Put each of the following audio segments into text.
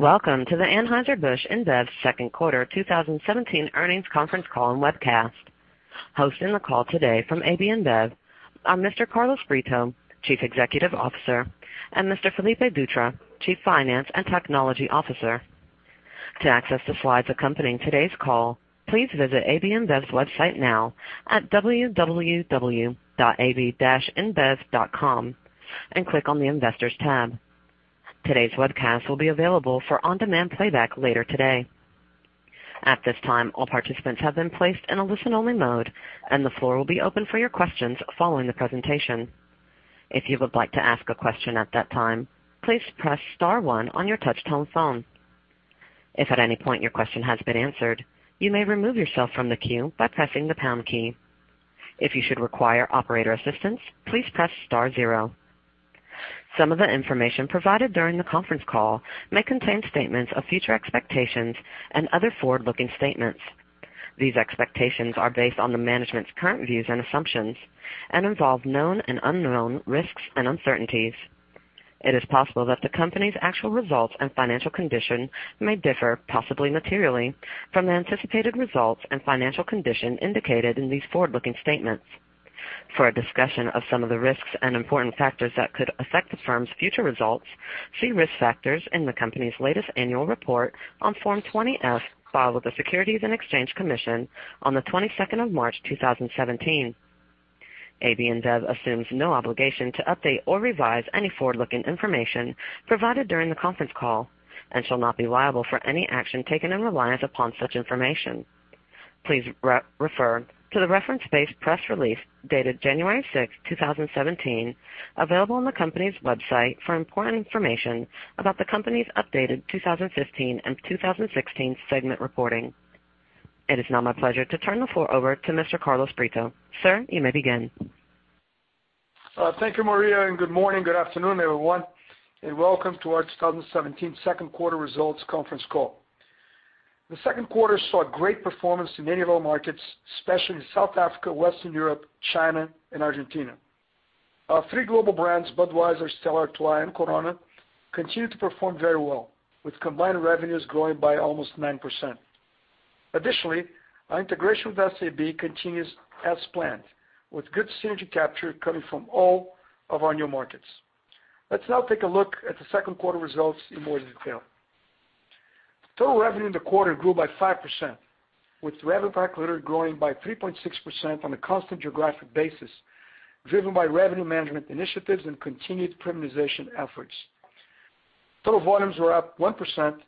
Welcome to the Anheuser-Busch InBev second quarter 2017 earnings conference call and webcast. Hosting the call today from AB InBev are Mr. Carlos Brito, Chief Executive Officer, and Mr. Felipe Dutra, Chief Finance and Technology Officer. To access the slides accompanying today's call, please visit ab-inbev.com and click on the investors tab. Today's webcast will be available for on-demand playback later today. At this time, all participants have been placed in a listen-only mode, and the floor will be open for your questions following the presentation. If you would like to ask a question at that time, please press star 1 on your touch-tone phone. If at any point your question has been answered, you may remove yourself from the queue by pressing the pound key. If you should require operator assistance, please press star 0. Some of the information provided during the conference call may contain statements of future expectations and other forward-looking statements. These expectations are based on the management's current views and assumptions and involve known and unknown risks and uncertainties. It is possible that the company's actual results and financial condition may differ, possibly materially, from the anticipated results and financial condition indicated in these forward-looking statements. For a discussion of some of the risks and important factors that could affect the firm's future results, see risk factors in the company's latest annual report on Form 20-F filed with the Securities and Exchange Commission on the 22nd of March 2017. AB InBev assumes no obligation to update or revise any forward-looking information provided during the conference call and shall not be liable for any action taken in reliance upon such information. Please refer to the reference-based press release dated January 6, 2017, available on the company's website for important information about the company's updated 2015 and 2016 segment reporting. It is now my pleasure to turn the floor over to Mr. Carlos Brito. Sir, you may begin. Thank you, Maria. Good morning, good afternoon, everyone, welcome to our 2017 second quarter results conference call. The second quarter saw great performance in many of our markets, especially in South Africa, Western Europe, China, and Argentina. Our three global brands, Budweiser, Stella Artois, and Corona, continue to perform very well, with combined revenues growing by almost 9%. Additionally, our integration with SAB continues as planned, with good synergy capture coming from all of our new markets. Let's now take a look at the second quarter results in more detail. Total revenue in the quarter grew by 5%, with revenue per capita growing by 3.6% on a constant geographic basis, driven by revenue management initiatives and continued premiumization efforts. Total volumes were up 1%,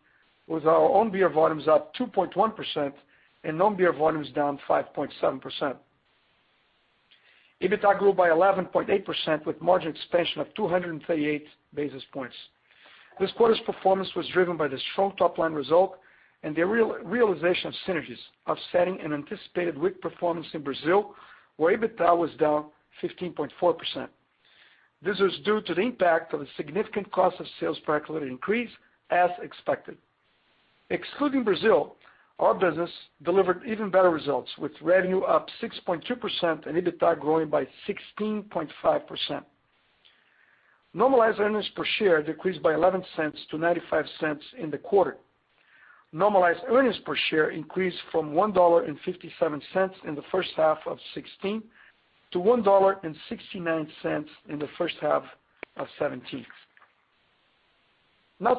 with our own beer volumes up 2.1% and non-beer volumes down 5.7%. EBITDA grew by 11.8% with margin expansion of 238 basis points. This quarter's performance was driven by the strong top-line result and the realization of synergies offsetting an anticipated weak performance in Brazil, where EBITDA was down 15.4%. This was due to the impact of a significant cost of sales per capita increase as expected. Excluding Brazil, our business delivered even better results, with revenue up 6.2% and EBITDA growing by 16.5%. Normalized earnings per share decreased by $0.11 to $0.95 in the quarter. Normalized earnings per share increased from $1.57 in the first half of 2016 to $1.69 in the first half of 2017.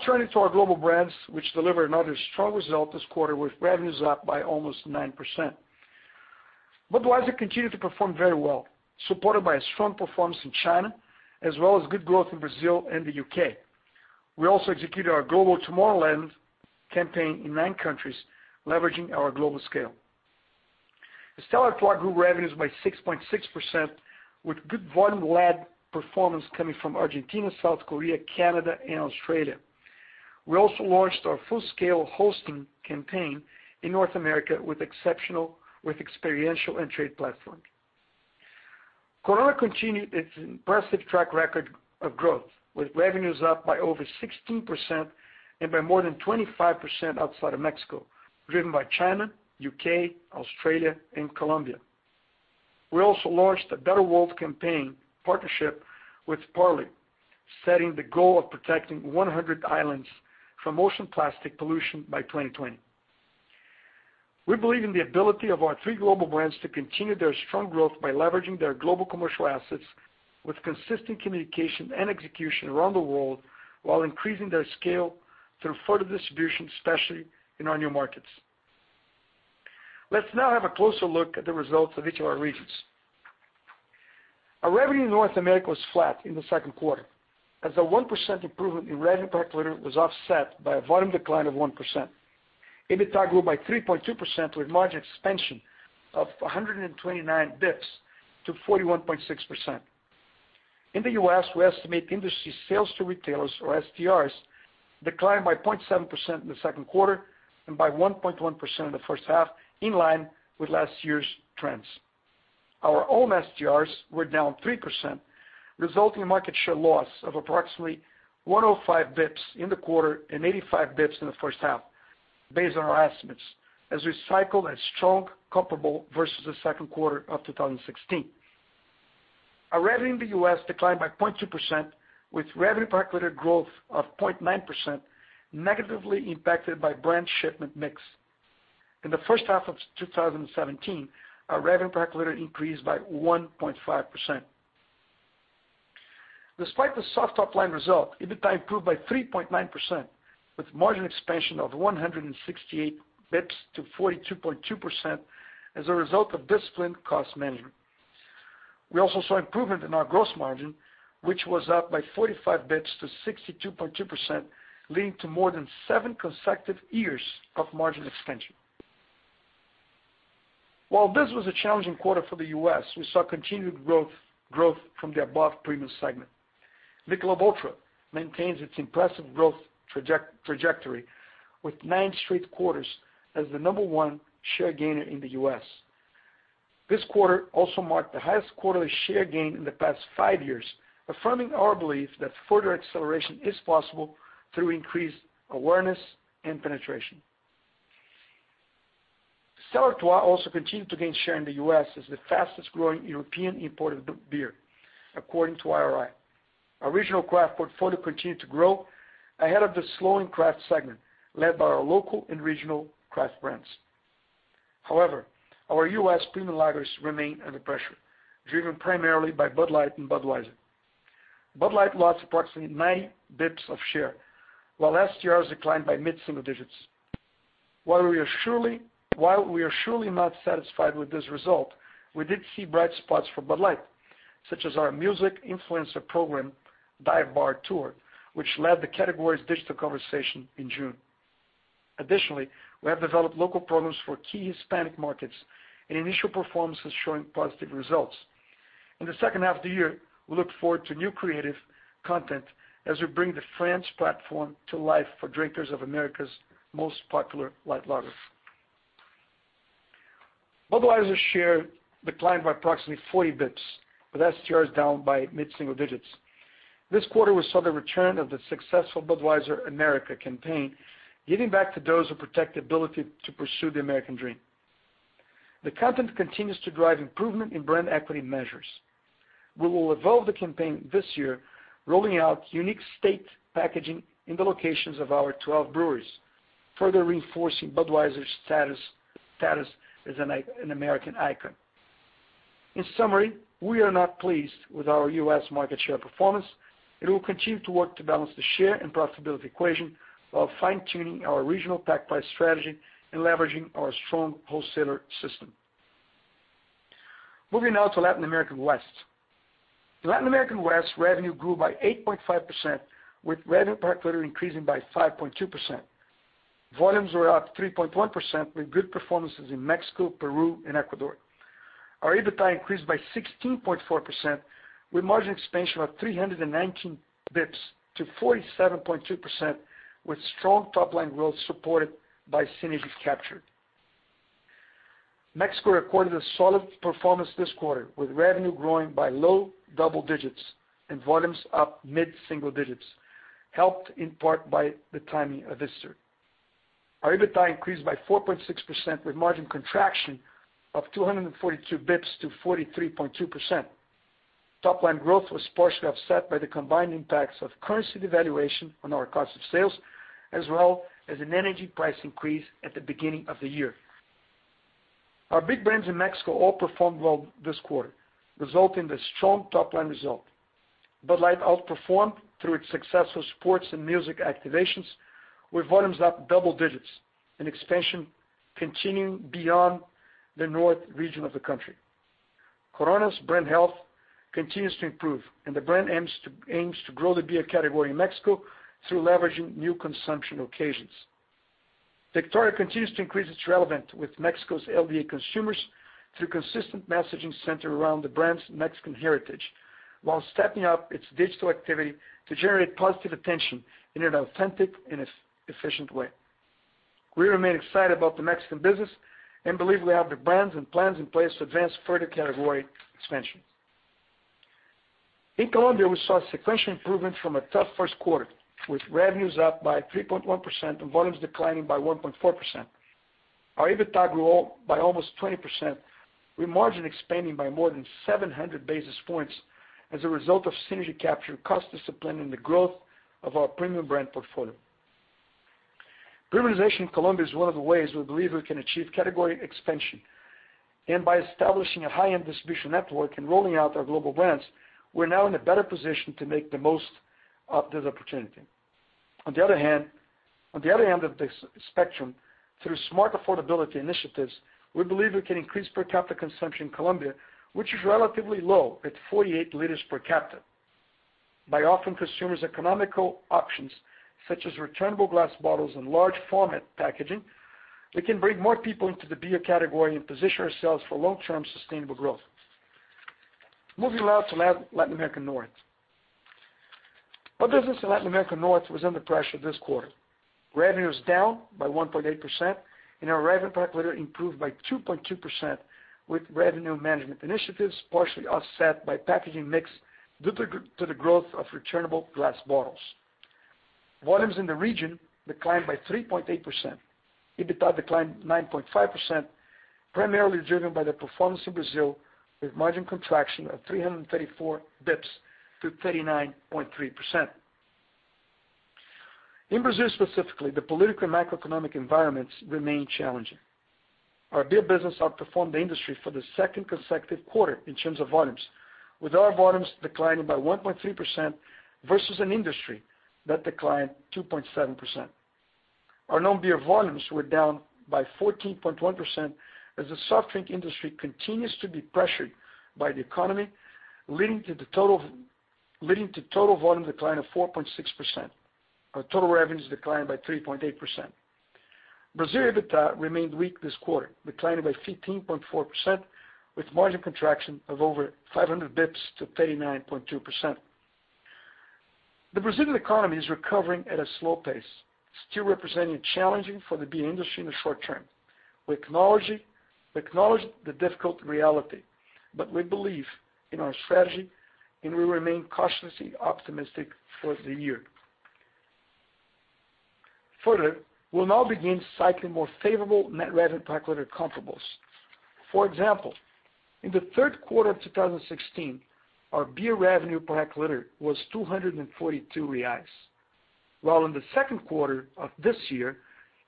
Turning to our global brands, which delivered another strong result this quarter with revenues up by almost 9%. Budweiser continued to perform very well, supported by a strong performance in China, as well as good growth in Brazil and the U.K. We also executed our Global Tomorrowland campaign in nine countries, leveraging our global scale. Stella Artois grew revenues by 6.6% with good volume-led performance coming from Argentina, South Korea, Canada, and Australia. We also launched our full-scale hosting campaign in North America with experiential and trade platform. Corona continued its impressive track record of growth, with revenues up by over 16% and by more than 25% outside of Mexico, driven by China, U.K., Australia, and Colombia. We also launched a Better World Campaign partnership with Parley, setting the goal of protecting 100 islands from ocean plastic pollution by 2020. We believe in the ability of our three global brands to continue their strong growth by leveraging their global commercial assets with consistent communication and execution around the world while increasing their scale through further distribution, especially in our new markets. Let's now have a closer look at the results of each of our regions. Our revenue in North America was flat in the second quarter as a 1% improvement in revenue per capita was offset by a volume decline of 1%. EBITDA grew by 3.2% with margin expansion of 129 basis points to 41.6%. In the U.S., we estimate industry sales to retailers or STRs declined by 0.7% in the second quarter and by 1.1% in the first half, in line with last year's trends. Our own STRs were down 3%, resulting in market share loss of approximately 105 basis points in the quarter and 85 basis points in the first half, based on our estimates, as we cycled a strong comparable versus the second quarter of 2016. Our revenue in the U.S. declined by 0.2%, with revenue per hectolitre growth of 0.9% negatively impacted by brand shipment mix. In the first half of 2017, our revenue per hectolitre increased by 1.5%. Despite the soft top-line result, EBITDA improved by 3.9%, with margin expansion of 168 basis points to 42.2% as a result of disciplined cost management. We also saw improvement in our gross margin, which was up by 45 basis points to 62.2%, leading to more than seven consecutive years of margin expansion. While this was a challenging quarter for the U.S., we saw continued growth from the above premium segment. Michelob ULTRA maintains its impressive growth trajectory with nine straight quarters as the number 1 share gainer in the U.S. This quarter also marked the highest quarterly share gain in the past five years, affirming our belief that further acceleration is possible through increased awareness and penetration. Stella Artois also continued to gain share in the U.S. as the fastest-growing European imported beer, according to IRI. Our regional craft portfolio continued to grow ahead of the slowing craft segment, led by our local and regional craft brands. Our U.S. premium lagers remain under pressure, driven primarily by Bud Light and Budweiser. Bud Light lost approximately 90 basis points of share, while last year's declined by mid-single digits. While we are surely not satisfied with this result, we did see bright spots for Bud Light, such as our music influencer program, Dive Bar Tour, which led the category's digital conversation in June. We have developed local programs for key Hispanic markets, and initial performance is showing positive results. In the second half of the year, we look forward to new creative content as we bring the Friends platform to life for drinkers of America's most popular light lager. Budweiser's share declined by approximately 40 basis points, with STRs down by mid-single digits. This quarter, we saw the return of the successful Budweiser America campaign, giving back to those who protect the ability to pursue the American dream. The content continues to drive improvement in brand equity measures. We will evolve the campaign this year, rolling out unique state packaging in the locations of our 12 breweries, further reinforcing Budweiser's status as an American icon. In summary, we are not pleased with our U.S. market share performance. We will continue to work to balance the share and profitability equation while fine-tuning our regional pack by strategy and leveraging our strong wholesaler system. Moving now to Latin America West. Latin America West revenue grew by 8.5%, with revenue per hectolitre increasing by 5.2%. Volumes were up 3.1%, with good performances in Mexico, Peru, and Ecuador. Our EBITDA increased by 16.4%, with margin expansion of 319 basis points to 47.2%, with strong top-line growth supported by synergies captured. Mexico recorded a solid performance this quarter, with revenue growing by low double digits and volumes up mid-single digits, helped in part by the timing of Easter. Our EBITDA increased by 4.6%, with margin contraction of 242 basis points to 43.2%. Top-line growth was partially offset by the combined impacts of currency devaluation on our cost of sales, as well as an energy price increase at the beginning of the year. Our big brands in Mexico all performed well this quarter, resulting in the strong top-line result. Bud Light outperformed through its successful sports and music activations, with volumes up double digits and expansion continuing beyond the north region of the country. Corona's brand health continues to improve. The brand aims to grow the beer category in Mexico through leveraging new consumption occasions. Victoria continues to increase its relevance with Mexico's LDA consumers through consistent messaging centered around the brand's Mexican heritage while stepping up its digital activity to generate positive attention in an authentic and efficient way. We remain excited about the Mexican business and believe we have the brands and plans in place to advance further category expansion. In Colombia, we saw sequential improvements from a tough first quarter, with revenues up by 3.1% and volumes declining by 1.4%. Our EBITDA grew by almost 20%, with margin expanding by more than 700 basis points as a result of synergy capture, cost discipline, and the growth of our premium brand portfolio. Premiumization in Colombia is one of the ways we believe we can achieve category expansion. By establishing a high-end distribution network and rolling out our global brands, we're now in a better position to make the most of this opportunity. On the other end of the spectrum, through smart affordability initiatives, we believe we can increase per capita consumption in Colombia, which is relatively low at 48 liters per capita. By offering consumers economical options, such as returnable glass bottles and large format packaging, we can bring more people into the beer category and position ourselves for long-term sustainable growth. Moving now to Latin America North. Our business in Latin America North was under pressure this quarter. Revenue is down by 1.8%, and our revenue per hectolitre improved by 2.2%, with revenue management initiatives partially offset by packaging mix due to the growth of returnable glass bottles. Volumes in the region declined by 3.8%. EBITDA declined 9.5%, primarily driven by the performance of Brazil, with margin contraction of 334 basis points to 39.3%. In Brazil specifically, the political and macroeconomic environments remain challenging. Our beer business outperformed the industry for the second consecutive quarter in terms of volumes, with our volumes declining by 1.3% versus an industry that declined 2.7%. Our non-beer volumes were down by 14.1% as the soft drink industry continues to be pressured by the economy, leading to total volume decline of 4.6%. Our total revenues declined by 3.8%. Brazil EBITDA remained weak this quarter, declining by 15.4% with margin contraction of over 500 basis points to 39.2%. The Brazilian economy is recovering at a slow pace, still representing challenging for the beer industry in the short term. We acknowledge the difficult reality, but we believe in our strategy, and we remain cautiously optimistic for the year. We'll now begin cycling more favorable net revenue per hectolitre comparables. For example, in the third quarter of 2016, our beer revenue per hectolitre was 242 reais, while in the second quarter of this year,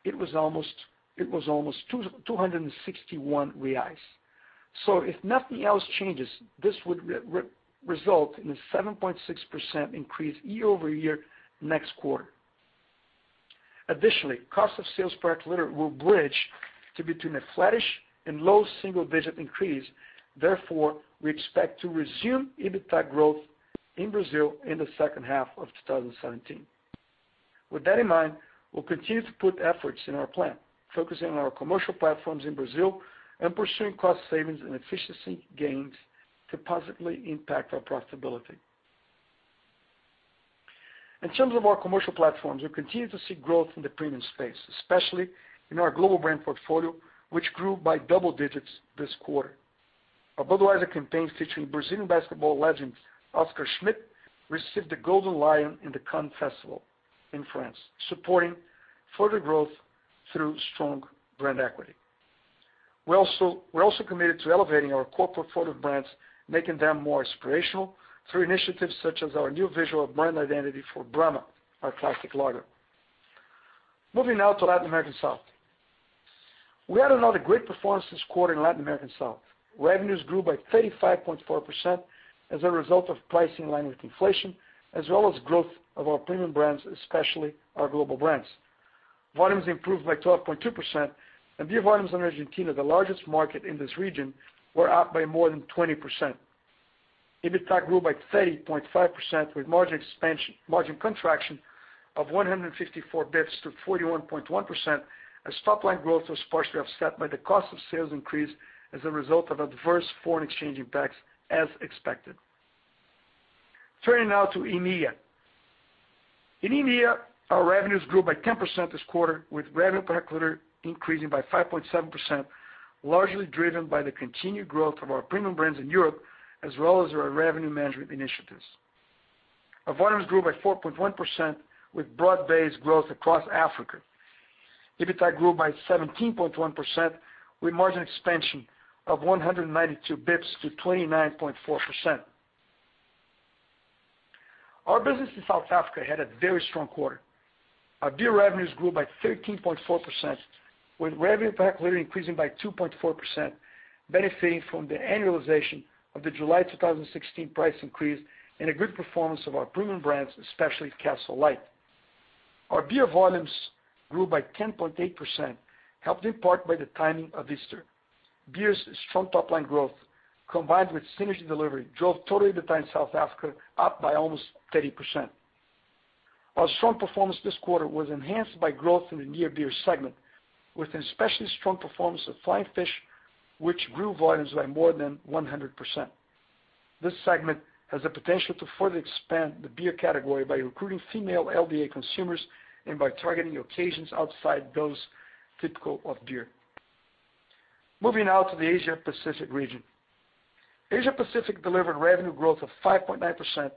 it was almost 261 reais. If nothing else changes, this would result in a 7.6% increase year-over-year next quarter. Additionally, cost of sales per hectolitre will bridge to between a flattish and low single-digit increase. Therefore, we expect to resume EBITDA growth in Brazil in the second half of 2017. With that in mind, we'll continue to put efforts in our plan, focusing on our commercial platforms in Brazil and pursuing cost savings and efficiency gains to positively impact our profitability. In terms of our commercial platforms, we continue to see growth in the premium space, especially in our global brand portfolio, which grew by double digits this quarter. Our Budweiser campaign featuring Brazilian basketball legend Oscar Schmidt received the Golden Lion in the Cannes Festival in France, supporting further growth through strong brand equity. We're also committed to elevating our core portfolio brands, making them more aspirational through initiatives such as our new visual brand identity for Brahma, our classic lager. Moving now to Latin America South. We had another great performance this quarter in Latin America South. Revenues grew by 35.4% as a result of pricing in line with inflation, as well as growth of our premium brands, especially our global brands. Volumes improved by 12.2%, and beer volumes in Argentina, the largest market in this region, were up by more than 20%. EBITDA grew by 30.5% with margin contraction of 154 basis points to 41.1% as top line growth was partially offset by the cost of sales increase as a result of adverse foreign exchange impacts as expected. Turning now to EMEA. In EMEA, our revenues grew by 10% this quarter, with revenue per hectolitre increasing by 5.7%, largely driven by the continued growth of our premium brands in Europe, as well as our revenue management initiatives. Our volumes grew by 4.1% with broad-based growth across Africa. EBITDA grew by 17.1% with margin expansion of 192 basis points to 29.4%. Our business in South Africa had a very strong quarter. Our beer revenues grew by 13.4% with revenue per hectolitre increasing by 2.4%, benefiting from the annualization of the July 2016 price increase and a good performance of our premium brands, especially Castle Lite. Our beer volumes grew by 10.8%, helped in part by the timing of Easter. Beer's strong top-line growth, combined with synergy delivery, drove total EBITDA in South Africa up by almost 30%. Our strong performance this quarter was enhanced by growth in the near beer segment, with an especially strong performance of Flying Fish, which grew volumes by more than 100%. This segment has the potential to further expand the beer category by recruiting female LDA consumers and by targeting occasions outside those typical of beer. Moving now to the Asia Pacific region. Asia Pacific delivered revenue growth of 5.9%,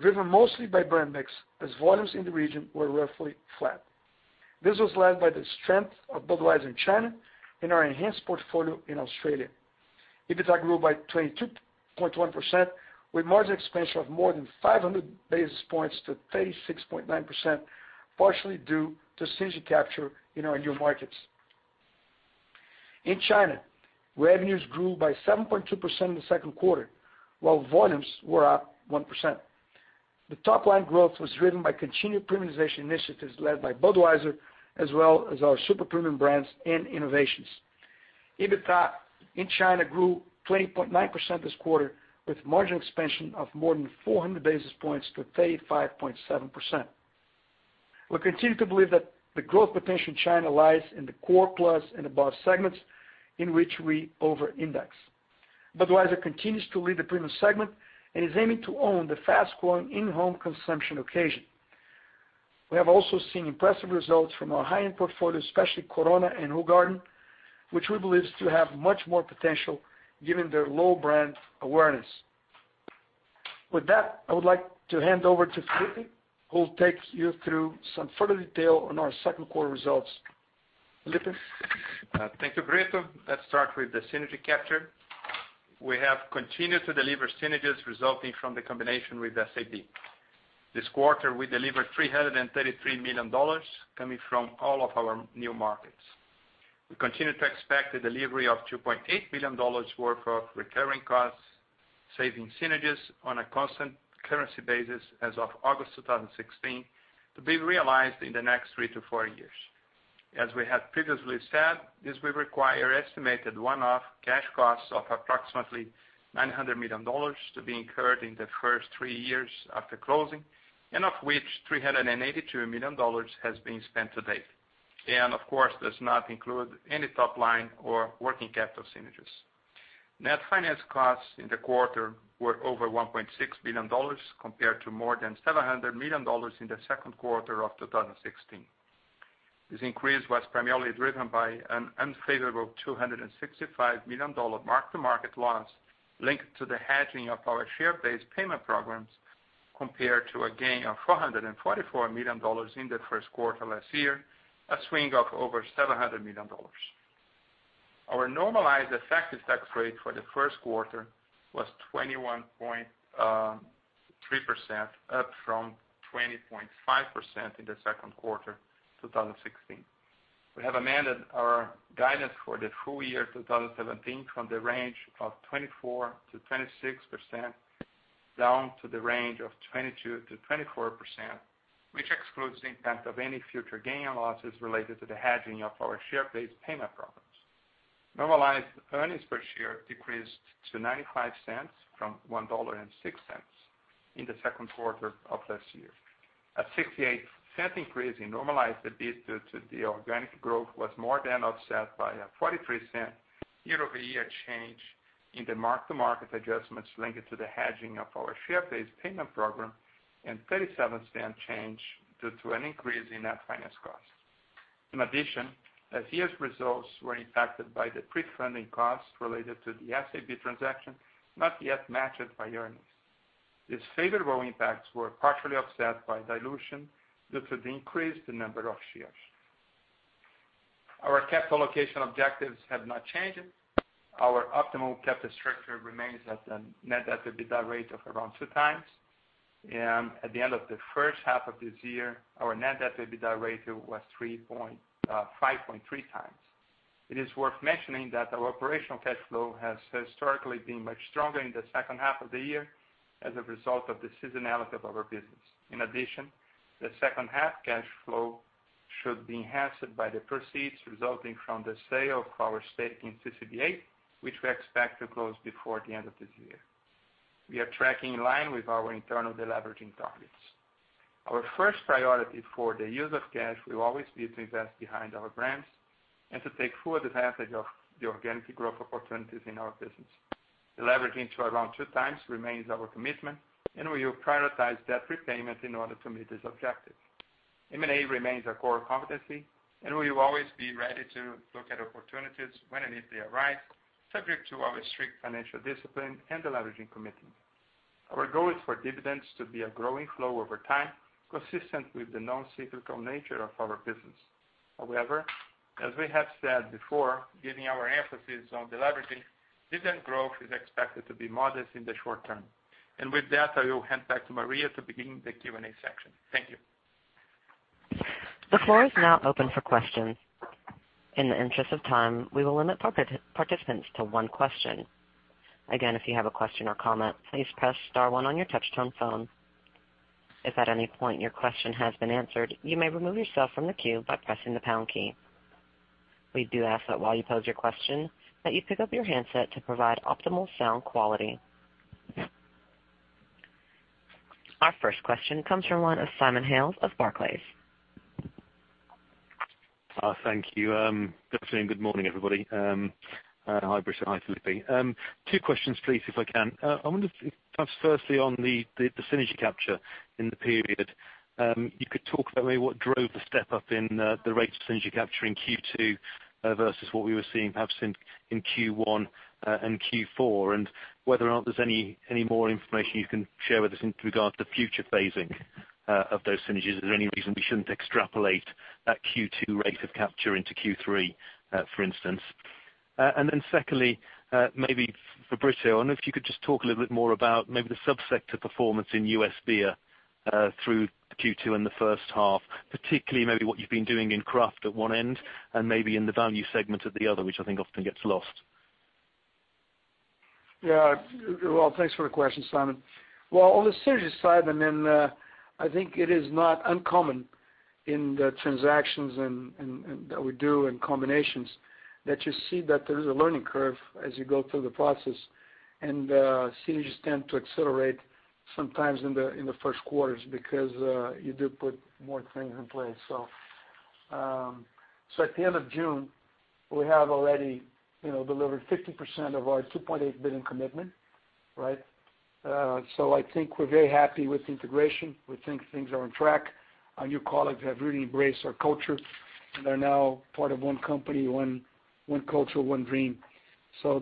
driven mostly by brand mix, as volumes in the region were roughly flat. This was led by the strength of Budweiser in China and our enhanced portfolio in Australia. EBITDA grew by 22.1%, with margin expansion of more than 500 basis points to 36.9%, partially due to synergy capture in our new markets. In China, revenues grew by 7.2% in the second quarter, while volumes were up 1%. The top-line growth was driven by continued premiumization initiatives led by Budweiser, as well as our super premium brands and innovations. EBITDA in China grew 20.9% this quarter, with margin expansion of more than 400 basis points to 35.7%. We continue to believe that the growth potential in China lies in the core plus and above segments in which we over index. Budweiser continues to lead the premium segment and is aiming to own the fast-growing in-home consumption occasion. We have also seen impressive results from our high-end portfolio, especially Corona and Hoegaarden, which we believe to have much more potential given their low brand awareness. With that, I would like to hand over to Felipe, who will take you through some further detail on our second quarter results. Felipe? Thank you, Brito. Let's start with the synergy capture. We have continued to deliver synergies resulting from the combination with SAB. This quarter, we delivered $333 million coming from all of our new markets. We continue to expect the delivery of $2.8 billion worth of recurring cost saving synergies on a constant currency basis as of August 2016 to be realized in the next three to four years. As we have previously said, this will require estimated one-off cash costs of approximately $900 million to be incurred in the first three years after closing, of which $382 million has been spent to date. Of course, does not include any top line or working capital synergies. Net finance costs in the quarter were over $1.6 billion compared to more than $700 million in the second quarter of 2016. This increase was primarily driven by an unfavorable $265 million mark-to-market loss linked to the hedging of our share-based payment programs, compared to a gain of $444 million in the first quarter last year, a swing of over $700 million. Our normalized effective tax rate for the first quarter was 21.3%, up from 20.5% in the second quarter 2016. We have amended our guidance for the full year 2017 from the range of 24%-26% down to the range of 22%-24%, which excludes the impact of any future gain or losses related to the hedging of our share-based payment programs. Normalized earnings per share decreased to $0.95 from $1.06 in the second quarter of last year. A $0.68 increase in normalized EBIT due to the organic growth was more than offset by a $0.43 year-over-year change in the mark-to-market adjustments linked to the hedging of our share-based payment program and $0.37 change due to an increase in net finance cost. In addition, the CS results were impacted by the pre-funding costs related to the SAB transaction, not yet matched by earnings. These favorable impacts were partially offset by dilution due to the increased number of shares. Our capital allocation objectives have not changed. Our optimal capital structure remains at a net debt-to-EBITDA rate of around two times. At the end of the first half of this year, our net debt-to-EBITDA ratio was 5.3 times. It is worth mentioning that our operational cash flow has historically been much stronger in the second half of the year as a result of the seasonality of our business. In addition, the second half cash flow should be enhanced by the proceeds resulting from the sale of our stake in CCBA, which we expect to close before the end of this year. We are tracking in line with our internal deleveraging targets. Our first priority for the use of cash will always be to invest behind our brands and to take full advantage of the organic growth opportunities in our business. Deleveraging to around two times remains our commitment, and we will prioritize debt repayment in order to meet this objective. M&A remains a core competency. We will always be ready to look at opportunities when and if they arise, subject to our strict financial discipline and deleveraging commitment. Our goal is for dividends to be a growing flow over time, consistent with the non-cyclical nature of our business. As we have said before, given our emphasis on deleveraging, dividend growth is expected to be modest in the short term. With that, I will hand back to Maria to begin the Q&A section. Thank you. The floor is now open for questions. In the interest of time, we will limit participants to one question. Again, if you have a question or comment, please press *1 on your touchtone phone. If at any point your question has been answered, you may remove yourself from the queue by pressing the # key. We do ask that while you pose your question, that you pick up your handset to provide optimal sound quality. Our first question comes from the line of Simon Hales of Barclays. Thank you. Good afternoon, good morning, everybody. Hi, Brito. Hi, Felipe. Two questions, please, if I can. I wonder if perhaps firstly on the synergy capture in the period, you could talk about maybe what drove the step up in the rate of synergy capture in Q2 versus what we were seeing perhaps in Q1 and Q4. Whether or not there's any more information you can share with us in regard to future phasing of those synergies. Is there any reason we shouldn't extrapolate that Q2 rate of capture into Q3, for instance? Then secondly, maybe for Brito, I wonder if you could just talk a little bit more about maybe the subsector performance in U.S. beer through Q2 and the first half. Particularly maybe what you've been doing in craft at one end and maybe in the value segment at the other, which I think often gets lost. Well, thanks for the question, Simon. On the synergy side, I think it is not uncommon in the transactions that we do and combinations that you see that there is a learning curve as you go through the process. Synergies tend to accelerate sometimes in the first quarters because you do put more things in place. At the end of June, we have already delivered 50% of our 2.8 billion commitment. I think we're very happy with the integration. We think things are on track. Our new colleagues have really embraced our culture. They're now part of one company, one culture, one dream.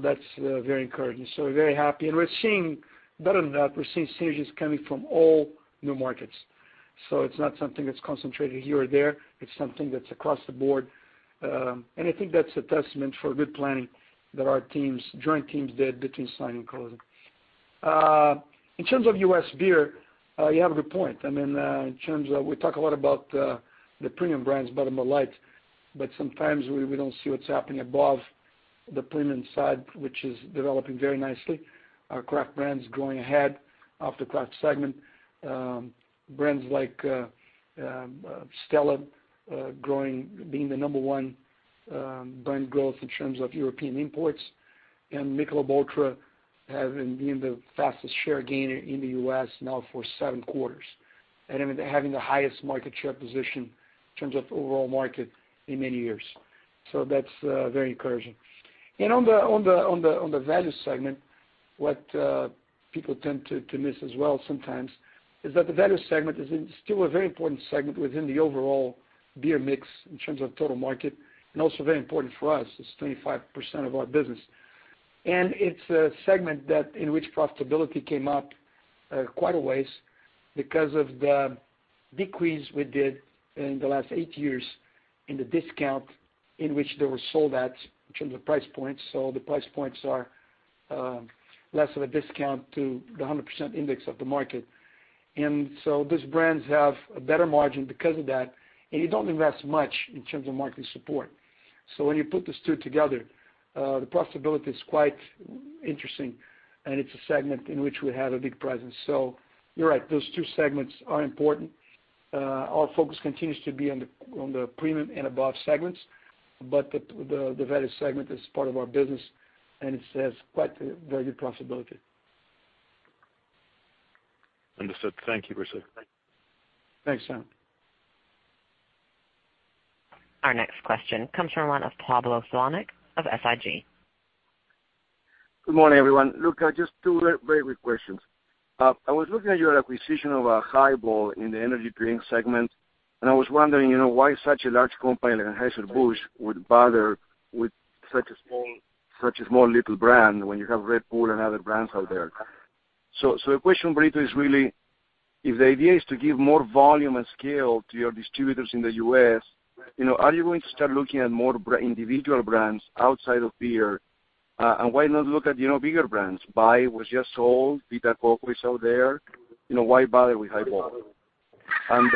That's very encouraging. We're very happy, and better than that, we're seeing synergies coming from all new markets. It's not something that's concentrated here or there, it's something that's across the board. I think that's a testament for good planning that our joint teams did between signing and closing. In terms of U.S. beer, you have a good point. We talk a lot about the premium brands, Bud and Bud Light, but sometimes we don't see what's happening above the premium side, which is developing very nicely. Our craft brands growing ahead of the craft segment. Brands like Stella being the number one brand growth in terms of European imports, and Michelob ULTRA being the fastest share gainer in the U.S. now for seven quarters. Having the highest market share position in terms of overall market in many years. That's very encouraging. On the value segment, what people tend to miss as well sometimes is that the value segment is still a very important segment within the overall beer mix in terms of total market and also very important for us. It's 25% of our business. It's a segment in which profitability came up quite a ways because of the decrease we did in the last eight years in the discount in which they were sold at in terms of price points. The price points are less of a discount to the 100% index of the market. These brands have a better margin because of that, and you don't invest much in terms of marketing support. When you put those two together, the profitability is quite interesting, and it's a segment in which we have a big presence. You're right, those two segments are important. Our focus continues to be on the premium and above segments, but the value segment is part of our business, and it has quite a very good profitability. Understood. Thank you, Brito. Thanks, Simon. Our next question comes from the line of Pablo Zuanic of SIG. Good morning, everyone. Look, just two very quick questions. I was looking at your acquisition of Hiball in the energy drink segment, and I was wondering why such a large company like Anheuser-Busch would bother with such a small little brand when you have Red Bull and other brands out there. The question really is, if the idea is to give more volume and scale to your distributors in the U.S., are you going to start looking at more individual brands outside of beer? And why not look at bigger brands? Bai was just sold. Vita Coco is out there. Why bother with Hiball? And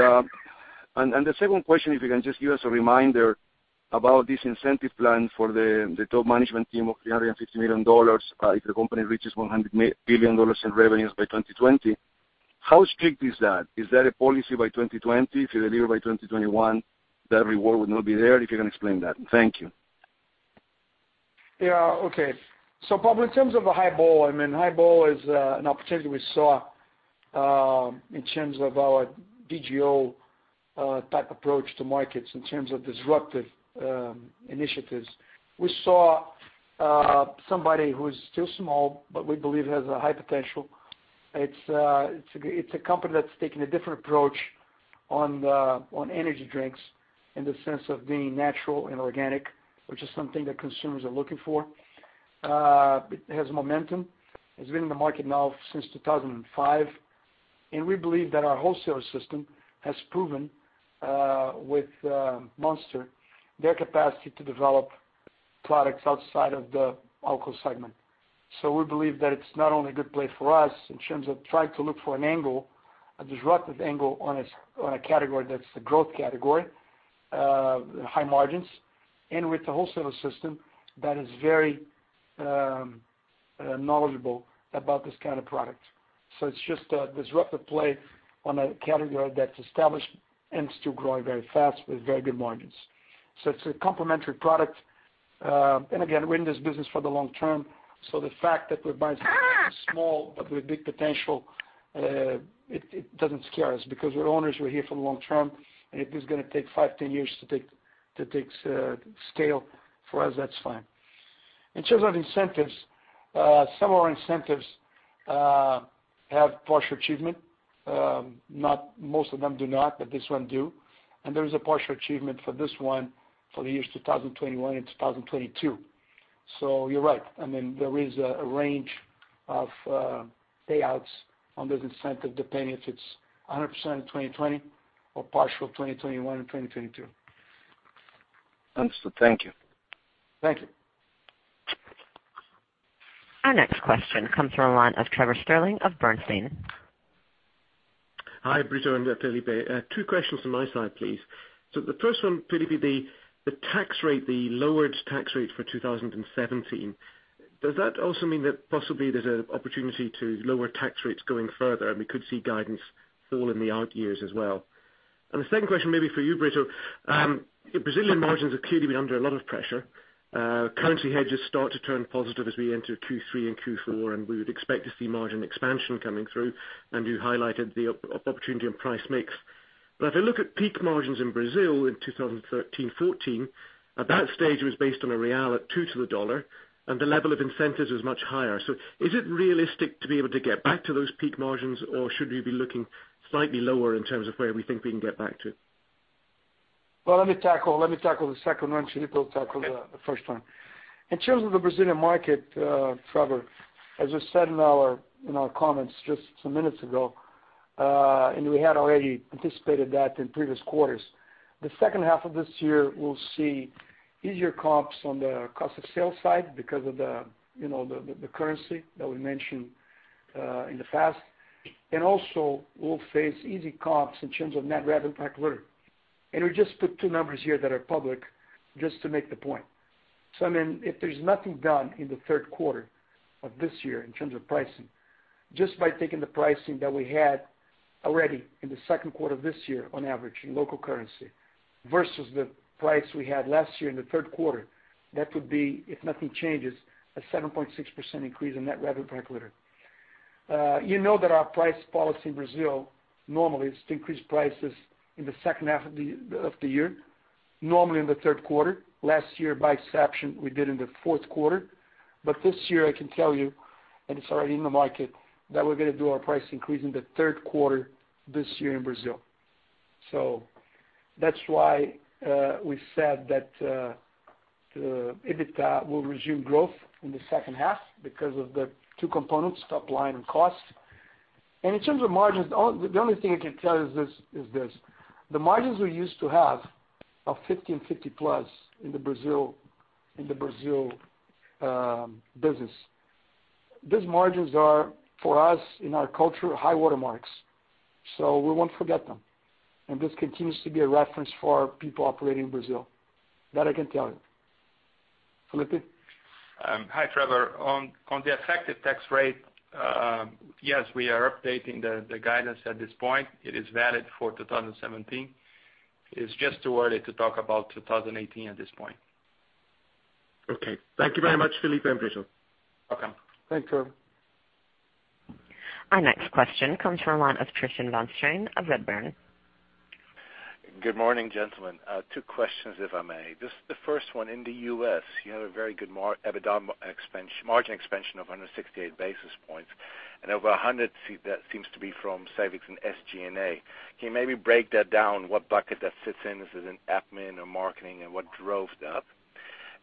the second question, if you can just give us a reminder about this incentive plan for the top management team of $350 million if the company reaches $100 billion in revenues by 2020. How strict is that? Is that a policy by 2020? If you deliver by 2021, that reward would not be there? If you can explain that. Thank you. Yeah. Okay. Pablo, in terms of the Hiball is an opportunity we saw in terms of our DGO type approach to markets in terms of disruptive initiatives. We saw somebody who is still small, but we believe has a high potential. It's a company that's taking a different approach on energy drinks in the sense of being natural and organic, which is something that consumers are looking for. It has momentum. It's been in the market now since 2005. We believe that our wholesaler system has proven, with Monster, their capacity to develop products outside of the alcohol segment. We believe that it's not only a good play for us in terms of trying to look for a disruptive angle on a category that's a growth category, high margins, and with a wholesaler system that is very knowledgeable about this kind of product. It's just a disruptive play on a category that's established and still growing very fast with very good margins. It's a complementary product. Again, we're in this business for the long term, so the fact that we're buying something small but with big potential, it doesn't scare us because we're owners, we're here for the long term, and if it's going to take five, 10 years to take scale, for us, that's fine. In terms of incentives, some of our incentives have partial achievement. Most of them do not, but this one do. There is a partial achievement for this one for the years 2021 and 2022. You're right. There is a range of payouts on this incentive depending if it's 100% in 2020 or partial 2021 and 2022. Understood. Thank you. Thank you. Our next question comes from the line of Trevor Stirling of Bernstein. Hi, Brito and Felipe. Two questions from my side, please. The first one, Felipe, the lowered tax rate for 2017, does that also mean that possibly there's an opportunity to lower tax rates going further and we could see guidance fall in the out years as well? The second question may be for you, Brito. Brazilian margins have clearly been under a lot of pressure. Currency hedges start to turn positive as we enter Q3 and Q4 and we would expect to see margin expansion coming through, and you highlighted the opportunity on price mix. If I look at peak margins in Brazil in 2013, 2014, at that stage it was based on a Real at 2 to the dollar and the level of incentives was much higher. Is it realistic to be able to get back to those peak margins or should we be looking slightly lower in terms of where we think we can get back to? Well, let me tackle the second one. Felipe will tackle the first one. In terms of the Brazilian market, Trevor, as I said in our comments just some minutes ago, we had already anticipated that in previous quarters, the second half of this year will see easier comps on the cost of sales side because of the currency that we mentioned in the past. Also we'll face easy comps in terms of net revenue per hectolitre. We just put two numbers here that are public just to make the point. If there's nothing done in the third quarter of this year in terms of pricing, just by taking the pricing that we had already in the second quarter of this year on average in local currency versus the price we had last year in the third quarter, that would be, if nothing changes, a 7.6% increase in net revenue per hectolitre. You know that our price policy in Brazil normally is to increase prices in the second half of the year, normally in the third quarter. Last year, by exception, we did in the fourth quarter. This year, I can tell you, and it's already in the market, that we're going to do our price increase in the third quarter this year in Brazil. That's why we said that the EBITDA will resume growth in the second half because of the two components, top line and cost. In terms of margins, the only thing I can tell you is this. The margins we used to have of 15+ in the Brazil business, these margins are, for us, in our culture, high water marks. We won't forget them. This continues to be a reference for our people operating in Brazil. That I can tell you. Felipe? Hi, Trevor. On the effective tax rate, yes, we are updating the guidance at this point. It is valid for 2017. It's just too early to talk about 2018 at this point. Okay. Thank you very much, Felipe and Trevor. Welcome. Thanks, Trevor. Our next question comes from the line of Tristan van Strien of Redburn. Good morning, gentlemen. Two questions, if I may. Just the first one, in the U.S., you had a very good margin expansion of 168 basis points and over 100 seems to be from savings in SG&A. Can you maybe break that down, what bucket that sits in? Is it in admin or marketing and what drove that?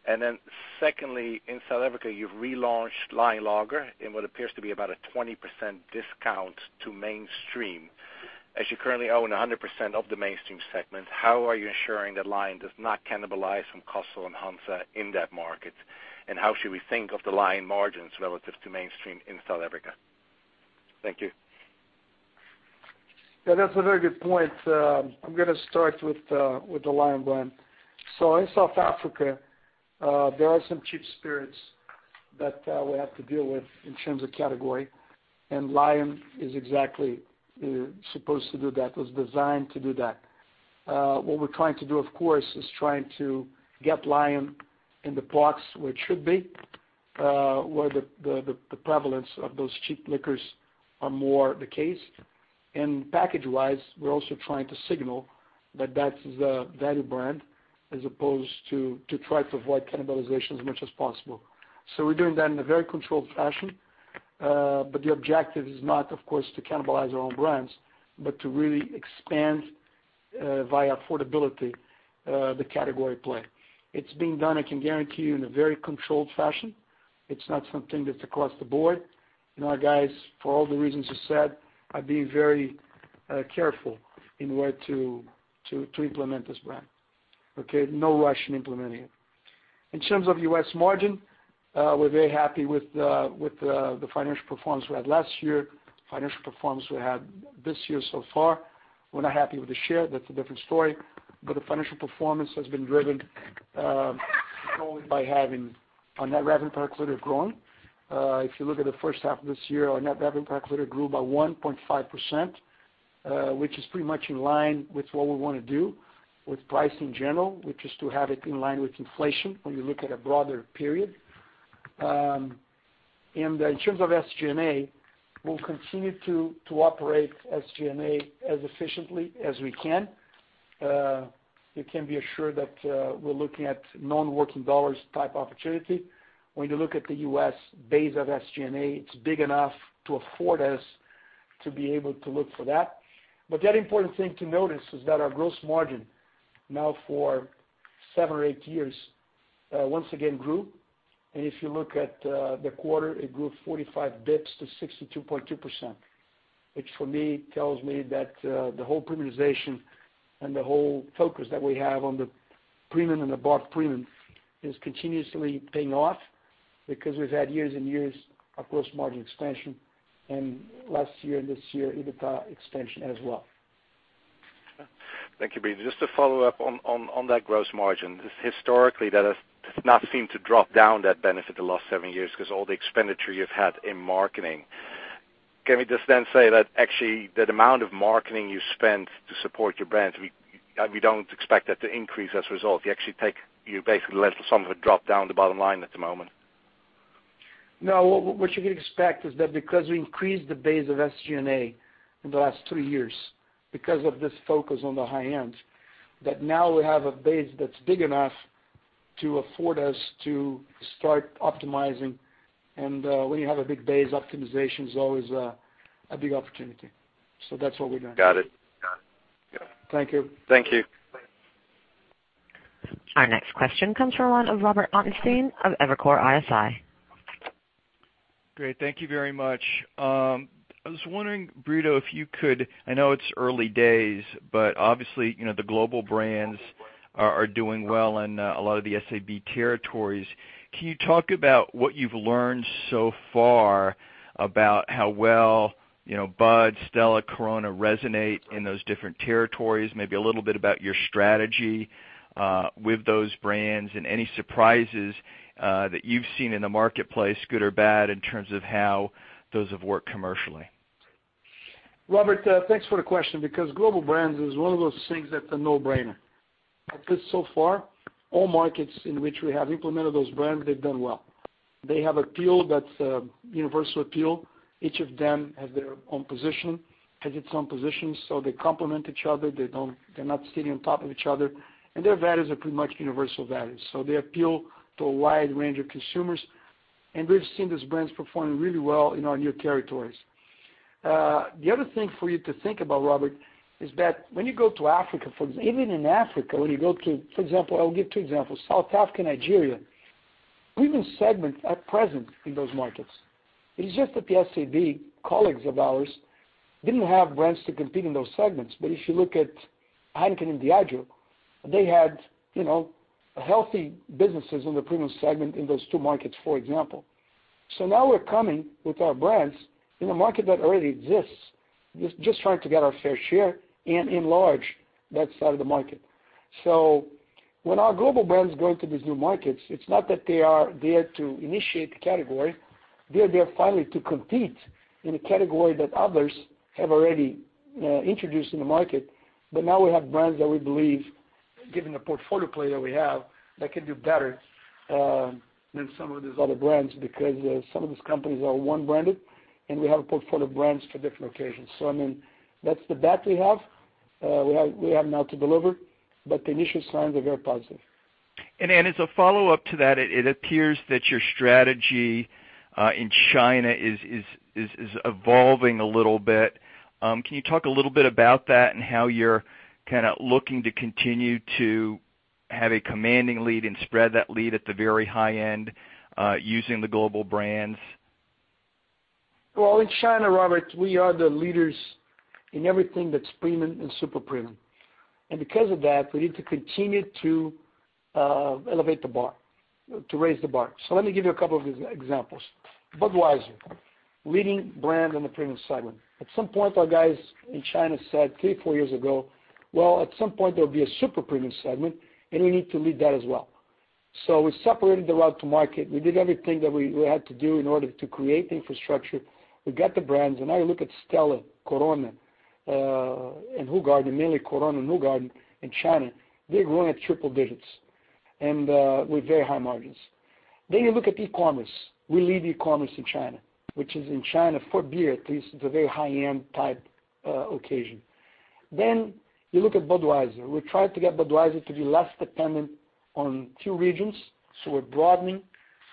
And then secondly, in South Africa, you've relaunched Lion Lager in what appears to be about a 20% discount to mainstream. As you currently own 100% of the mainstream segment, how are you ensuring that Lion does not cannibalize from Castle and Hansa in that market? And how should we think of the Lion margins relative to mainstream in South Africa? Thank you. Yeah, that's a very good point. I'm going to start with the Lion brand. In South Africa, there are some cheap spirits that we have to deal with in terms of category, Lion is exactly supposed to do that. It was designed to do that. What we're trying to do, of course, is trying to get Lion in the plots where it should be, where the prevalence of those cheap liquors are more the case. Package-wise, we're also trying to signal that that's the value brand as opposed to try to avoid cannibalization as much as possible. We're doing that in a very controlled fashion. The objective is not, of course, to cannibalize our own brands, but to really expand, via affordability, the category play. It's being done, I can guarantee you, in a very controlled fashion. It's not something that's across the board. Our guys, for all the reasons you said, are being very careful in where to implement this brand. Okay? No rush in implementing it. In terms of U.S. margin, we're very happy with the financial performance we had last year, financial performance we had this year so far. We're not happy with the share, that's a different story. The financial performance has been driven solely by having our net revenue per hectolitre growing. If you look at the first half of this year, our net revenue per hectolitre grew by 1.5%, which is pretty much in line with what we want to do with price in general, which is to have it in line with inflation when you look at a broader period. In terms of SG&A, we'll continue to operate SG&A as efficiently as we can. You can be assured that we're looking at non-working dollars type opportunity. When you look at the U.S. base of SG&A, it's big enough to afford us to be able to look for that. The other important thing to notice is that our gross margin now for seven or eight years, once again grew. If you look at the quarter, it grew 45 bps to 62.2%, which for me, tells me that the whole premiumization and the whole focus that we have on the premium and the bought premium is continuously paying off because we've had years and years of gross margin expansion, and last year and this year, EBITDA expansion as well. Thank you, Brito. Just to follow up on that gross margin. Historically, that does not seem to drop down that benefit the last seven years because all the expenditure you've had in marketing. Can we just then say that actually, that amount of marketing you spent to support your brands, we don't expect that to increase as a result? You basically let some of it drop down the bottom line at the moment. What you can expect is that because we increased the base of SG&A in the last three years, because of this focus on the high-end, that now we have a base that's big enough to afford us to start optimizing. When you have a big base, optimization is always a big opportunity. That's what we're doing. Got it. Thank you. Thank you. Our next question comes from Robert Ottenstein of Evercore ISI. Great. Thank you very much. I was wondering, Brito, if you could, I know it's early days, but obviously, the global brands are doing well in a lot of the SAB territories. Can you talk about what you've learned so far about how well Bud, Stella, Corona resonate in those different territories? Maybe a little bit about your strategy with those brands and any surprises that you've seen in the marketplace, good or bad, in terms of how those have worked commercially. Robert, thanks for the question, global brands is one of those things that's a no-brainer. So far, all markets in which we have implemented those brands, they've done well. They have appeal that's a universal appeal. Each of them has its own position, so they complement each other. They're not sitting on top of each other, and their values are pretty much universal values. They appeal to a wide range of consumers, and we've seen these brands performing really well in our new territories. The other thing for you to think about, Robert, is that when you go to Africa, for example, even in Africa, when you go to, for example, I'll give two examples. South Africa and Nigeria. Premium segments are present in those markets. It's just that the SABMiller colleagues of ours didn't have brands to compete in those segments. If you look at Heineken and Diageo, they had healthy businesses in the premium segment in those two markets, for example. Now we're coming with our brands in a market that already exists, just trying to get our fair share and enlarge that side of the market. When our global brands go into these new markets, it's not that they are there to initiate the category. They are there finally to compete in a category that others have already introduced in the market. Now we have brands that we believe, given the portfolio play that we have, that can do better than some of these other brands because some of these companies are one branded, and we have a portfolio of brands for different occasions. That's the bet we have. We have now to deliver, but the initial signs are very positive. As a follow-up to that, it appears that your strategy in China is evolving a little bit. Can you talk a little bit about that and how you're kind of looking to continue to have a commanding lead and spread that lead at the very high-end using the global brands? Well, in China, Robert, we are the leaders in everything that's premium and super premium. Because of that, we need to continue to elevate the bar, to raise the bar. Let me give you a couple of examples. Budweiser, leading brand in the premium segment. At some point, our guys in China said three, four years ago, "Well, at some point there'll be a super premium segment, and we need to lead that as well." We separated the route to market. We did everything that we had to do in order to create the infrastructure. We got the brands, and now you look at Stella, Corona, and Hoegaarden, mainly Corona and Hoegaarden in China. They're growing at triple digits and with very high margins. You look at e-commerce. We lead e-commerce in China, which is in China for beer, at least it's a very high-end type occasion. You look at Budweiser. We tried to get Budweiser to be less dependent on two regions. We're broadening,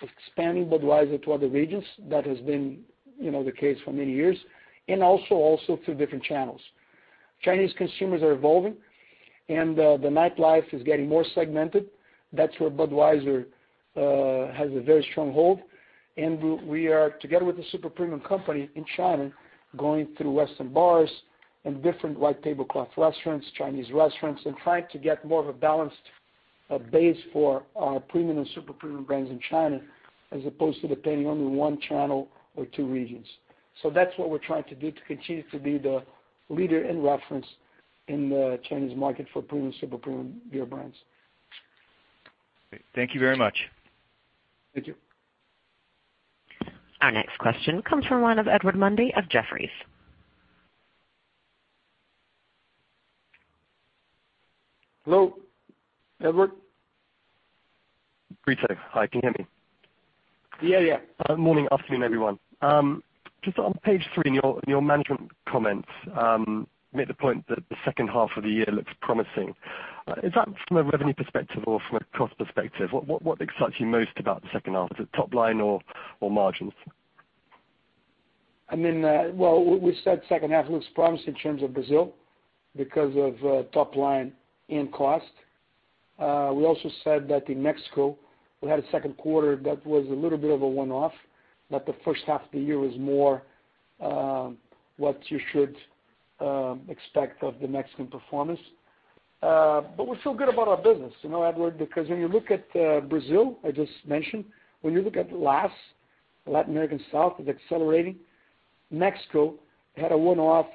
expanding Budweiser to other regions. That has been the case for many years, and also through different channels. Chinese consumers are evolving, and the nightlife is getting more segmented. That's where Budweiser has a very strong hold. We are, together with the super premium company in China, going through Western bars and different white tablecloth restaurants, Chinese restaurants, and trying to get more of a balanced base for our premium and super premium brands in China, as opposed to depending on one channel or two regions. That's what we're trying to do to continue to be the leader and reference in the Chinese market for premium, super premium beer brands. Great. Thank you very much. Thank you. Our next question comes from one of Edward Mundy of Jefferies. Hello, Edward. Brito. Hi, can you hear me? Yeah. Morning, afternoon, everyone. Just on page three in your management comments, you made the point that the second half of the year looks promising. Is that from a revenue perspective or from a cost perspective? What excites you most about the second half? Is it top line or margins? We said second half looks promising in terms of Brazil because of top line and cost. We also said that in Mexico, we had a second quarter that was a little bit of a one-off, but the first half of the year is more what you should expect of the Mexican performance. We feel good about our business, Edward, because when you look at Brazil, I just mentioned, when you look at LAS, Latin American South is accelerating. Mexico had a one-off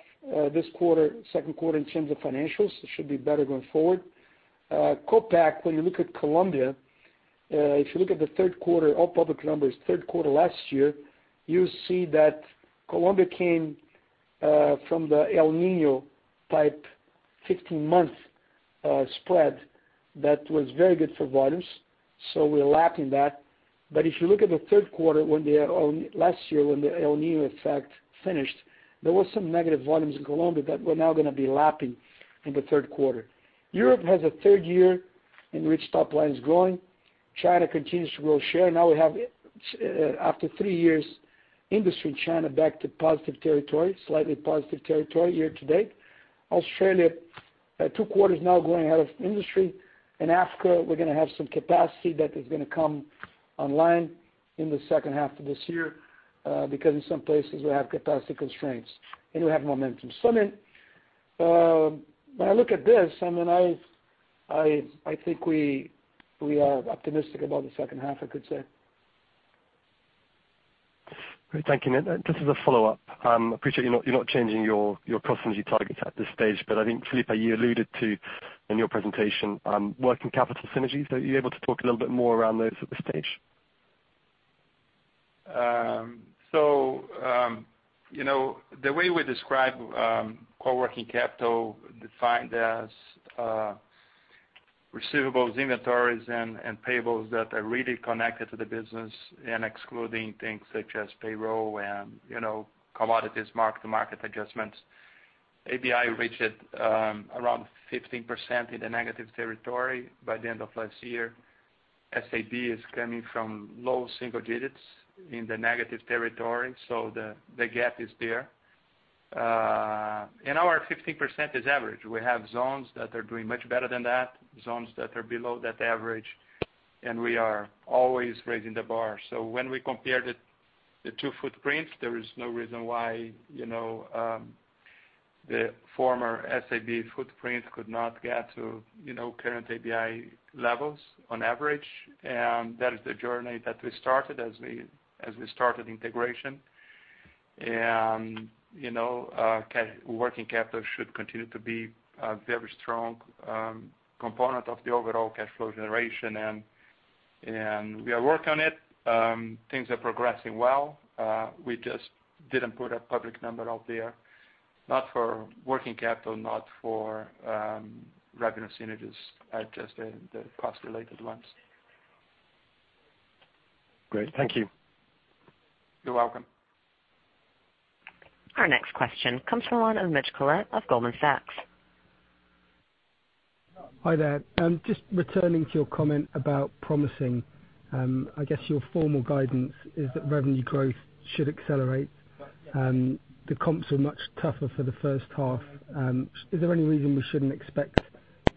this quarter, second quarter in terms of financials. It should be better going forward. COPAC, when you look at Colombia, if you look at the third quarter, all public numbers, third quarter last year, you see that Colombia came from the El Niño type 15-month spread that was very good for volumes. We're lapping that. If you look at the third quarter last year, when the El Niño effect finished, there was some negative volumes in Colombia that we're now going to be lapping in the third quarter. Europe has a third year in which top line is growing. China continues to grow share. Now we have, after three years, industry China back to positive territory, slightly positive territory year to date. Australia, two quarters now growing out of industry. In Africa, we're going to have some capacity that is going to come online in the second half of this year, because in some places we have capacity constraints, and we have momentum. When I look at this, I think we are optimistic about the second half, I could say. Great. Thank you. Just as a follow-up, I appreciate you're not changing your cost synergy targets at this stage, but I think, Felipe, you alluded to, in your presentation, working capital synergies. Are you able to talk a little bit more around those at this stage? The way we describe core working capital, defined as receivables, inventories, and payables that are really connected to the business and excluding things such as payroll and commodities, mark-to-market adjustments. ABI reached around 15% in the negative territory by the end of last year. SAB is coming from low single digits in the negative territory. The gap is there. Our 15% is average. We have zones that are doing much better than that, zones that are below that average, and we are always raising the bar. When we compare the two footprints, there is no reason why the former SAB footprint could not get to current ABI levels on average. That is the journey that we started as we started integration. Working capital should continue to be a very strong component of the overall cash flow generation. We are working on it. Things are progressing well. We just didn't put a public number out there, not for working capital, not for revenue synergies, just the cost-related ones. Great. Thank you. You're welcome. Our next question comes from Mitchell Collett of Goldman Sachs. Hi there. Just returning to your comment about promising. I guess your formal guidance is that revenue growth should accelerate. The comps were much tougher for the first half. Is there any reason we shouldn't expect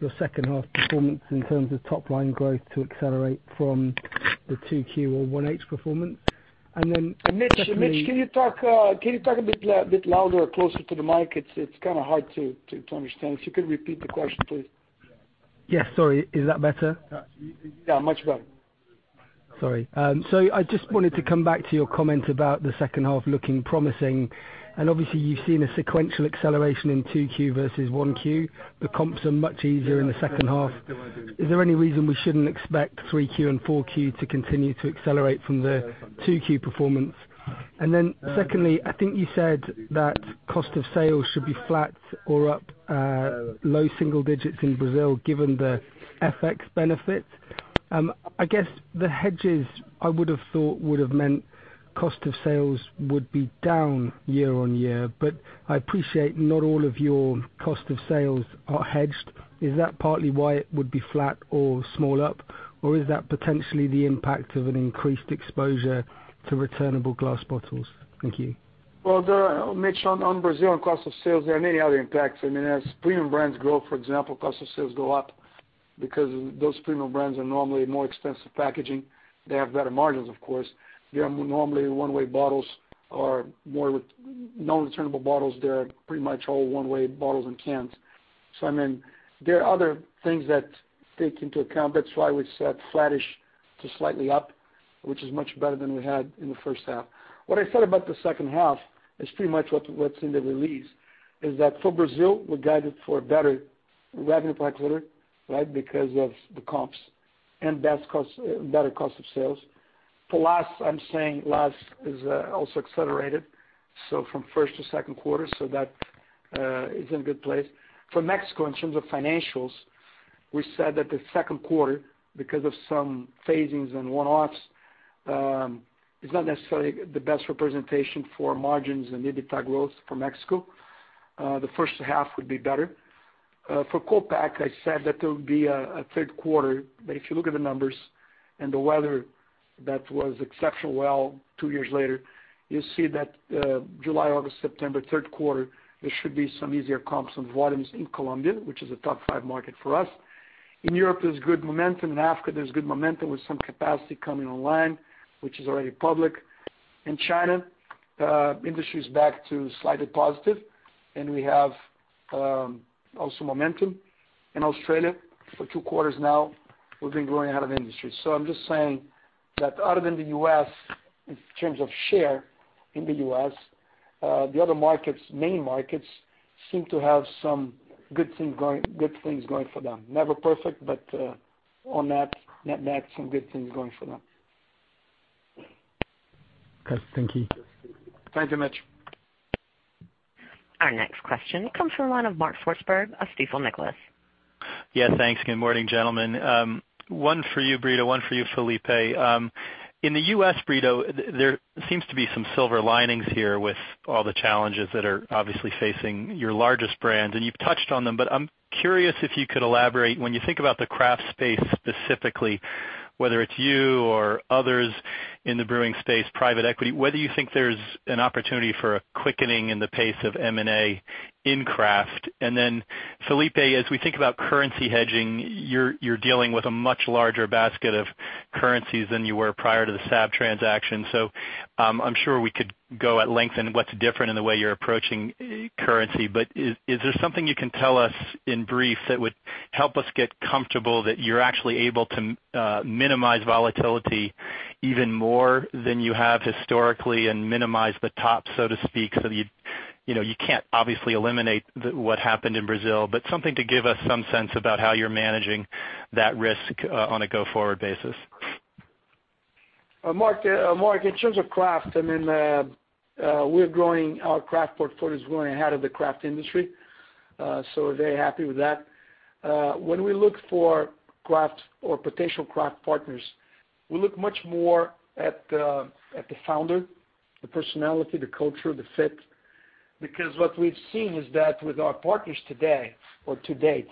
your second half performance in terms of top-line growth to accelerate from the 2Q or 1H performance? Mitch, can you talk a bit louder or closer to the mic? It's kind of hard to understand. If you could repeat the question, please. Yes. Sorry. Is that better? Yeah, much better. Sorry. I just wanted to come back to your comment about the second half looking promising, and obviously you've seen a sequential acceleration in 2Q versus 1Q. The comps are much easier in the second half. Is there any reason we shouldn't expect 3Q and 4Q to continue to accelerate from the 2Q performance? Secondly, I think you said that cost of sales should be flat or up low single digits in Brazil, given the FX benefit. I guess the hedges, I would have thought, would have meant cost of sales would be down year-on-year, but I appreciate not all of your cost of sales are hedged. Is that partly why it would be flat or small up, or is that potentially the impact of an increased exposure to returnable glass bottles? Thank you. Well, Mitch, on Brazil and cost of sales, there are many other impacts. As premium brands grow, for example, cost of sales go up because those premium brands are normally more expensive packaging. They have better margins, of course. They are normally one-way bottles or more with no returnable bottles. They're pretty much all one-way bottles and cans. There are other things that take into account. That's why we said flattish to slightly up, which is much better than we had in the first half. What I said about the second half is pretty much what's in the release, is that for Brazil, we guided for better revenue per hectolitre, because of the comps and better cost of sales. For LAS, I'm saying LAS is also accelerated, from first to second quarter, so that is in a good place. For Mexico, in terms of financials, we said that the second quarter, because of some phasings and one-offs, is not necessarily the best representation for margins and EBITDA growth for Mexico. The first half would be better. For COPAC, I said that there would be a third quarter, but if you look at the numbers and the weather that was exceptional well two years later, you'll see that July, August, September third quarter, there should be some easier comps on volumes in Colombia, which is a top five market for us. In Europe, there's good momentum. In Africa, there's good momentum with some capacity coming online, which is already public. In China, industry is back to slightly positive, and we have also momentum. In Australia, for two quarters now, we've been growing out of industry. I'm just saying that other than the U.S., in terms of share in the U.S., the other main markets seem to have some good things going for them. Never perfect, but on net, some good things going for them. Okay. Thank you. Thank you, Mitch. Our next question comes from the line of Mark Swartzberg of Stifel Nicolaus. Yeah, thanks. Good morning, gentlemen. One for you, Brito, one for you, Felipe. In the U.S., Brito, there seems to be some silver linings here with all the challenges that are obviously facing your largest brands, and you've touched on them, but I'm curious if you could elaborate. When you think about the craft space specifically, whether it's you or others in the brewing space, private equity, whether you think there's an opportunity for a quickening in the pace of M&A in craft. Felipe, as we think about currency hedging, you're dealing with a much larger basket of currencies than you were prior to the SAB transaction. I'm sure we could go at length in what's different in the way you're approaching currency. Is there something you can tell us in brief that would help us get comfortable that you're actually able to minimize volatility even more than you have historically and minimize the top, so to speak? You can't obviously eliminate what happened in Brazil, but something to give us some sense about how you're managing that risk on a go-forward basis. Mark, in terms of craft, our craft portfolio is growing ahead of the craft industry. Very happy with that. When we look for craft or potential craft partners, we look much more at the founder, the personality, the culture, the fit, because what we've seen is that with our partners today or to date,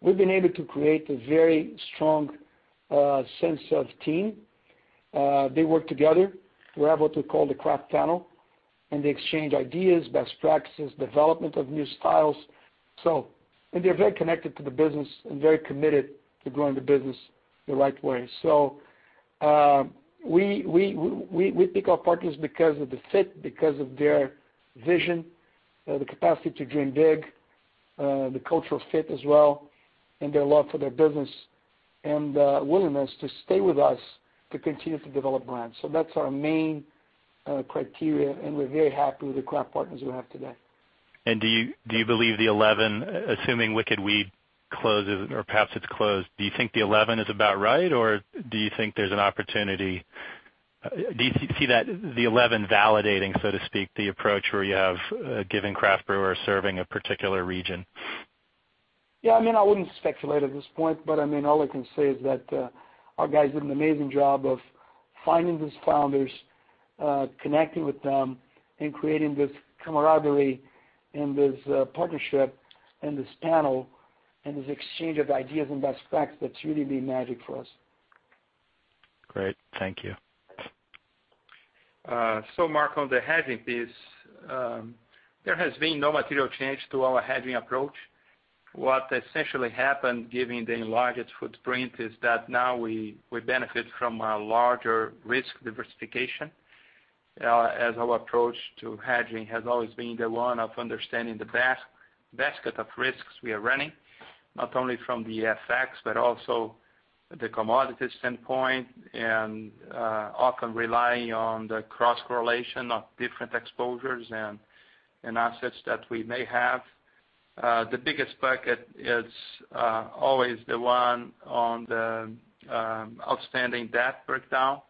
we've been able to create a very strong sense of team. They work together. We have what we call the craft panel, they exchange ideas, best practices, development of new styles. They're very connected to the business and very committed to growing the business the right way. We pick our partners because of the fit, because of their vision, the capacity to dream big, the cultural fit as well, and their love for their business and willingness to stay with us to continue to develop brands. that's our main criteria, and we're very happy with the craft partners we have today. Do you believe the 11, assuming Wicked Weed closes or perhaps it's closed, do you think the 11 is about right, or do you see that the 11 validating, so to speak, the approach where you have given craft brewers serving a particular region? I wouldn't speculate at this point, but all I can say is that our guys did an amazing job of finding these founders, connecting with them, and creating this camaraderie and this partnership and this panel and this exchange of ideas and best facts that's really been magic for us. Great. Thank you. Mark, on the hedging piece, there has been no material change to our hedging approach. What essentially happened, given the enlarged footprint, is that now we benefit from a larger risk diversification, as our approach to hedging has always been the one of understanding the basket of risks we are running, not only from the FX but also the commodity standpoint and often relying on the cross-correlation of different exposures and assets that we may have. The biggest bucket is always the one on the outstanding debt breakdown.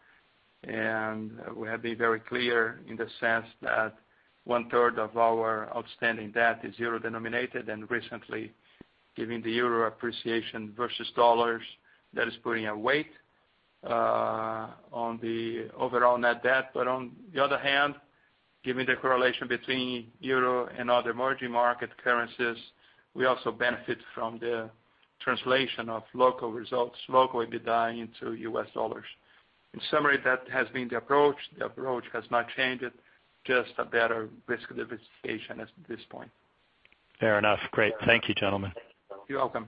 We have been very clear in the sense that one-third of our outstanding debt is euro-denominated. Recently, given the euro appreciation versus dollars, that is putting a weight on the overall net debt. On the other hand, given the correlation between euro and other emerging market currencies, we also benefit from the translation of local results, local EBITDA into U.S. dollars. In summary, that has been the approach. The approach has not changed. It's just a better risk diversification at this point. Fair enough. Great. Thank you, gentlemen. You're welcome.